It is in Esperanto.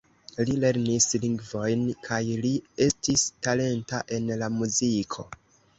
Li lernis lingvojn kaj li estis talenta en la muziko.